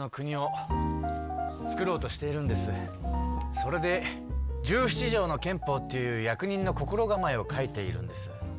それで「十七条の憲法」っていう役人の心がまえを書いているんです。